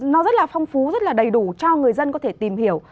nó rất là phong phú rất là đầy đủ cho người dân có thể tìm hiểu